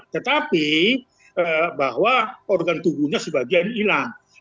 tetapi bahwa organ tubuhnya sebagian hilang